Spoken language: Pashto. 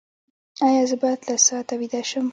ایا زه باید لس ساعته ویده شم؟